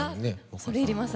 恐れ入ります。